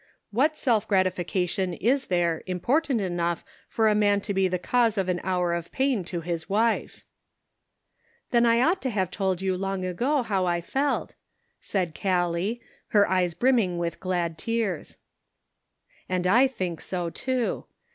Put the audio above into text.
What self gratification is there important enough for a man to be the cause of an hour of pain to his wife !" "Then I ought to have told you long ago how I felt," said Callie, her eyes brimming with glad tears. And I think so, too.